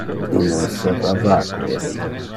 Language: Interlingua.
Illo esseva vacue.